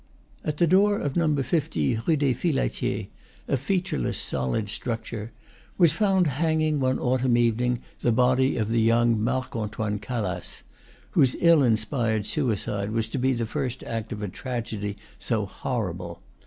At the door of No. 50 Rue des Filatiers, a featureless, solid structure, was found hanging, one autumn evening, the body of the young Marc Antoine Calas, whose ill inspired suicide was to be the first act of a tragedy so horrible.